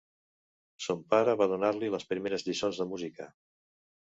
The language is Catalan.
Son pare va donar-li les primeres lliçons de música.